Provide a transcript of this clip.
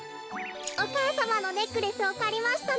お母さまのネックレスをかりましたの。